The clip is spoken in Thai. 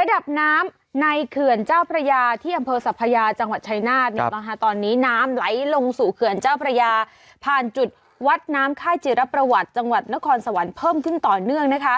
ระดับน้ำในเขื่อนเจ้าพระยาที่อำเภอสัพยาจังหวัดชายนาฏเนี่ยนะคะตอนนี้น้ำไหลลงสู่เขื่อนเจ้าพระยาผ่านจุดวัดน้ำค่ายจิรประวัติจังหวัดนครสวรรค์เพิ่มขึ้นต่อเนื่องนะคะ